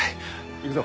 行くぞ。